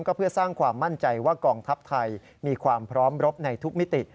ก็เพื่อสร้างความมั่นใจว่ากองทัพไทยมีความพร้อมรบในทุกมิติ